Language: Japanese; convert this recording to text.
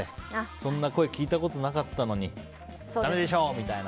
そんな声聞いたことなかったのにだめでしょ！みたいな。